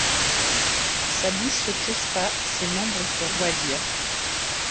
Sa bouche se crispa ; ses membres se roidirent.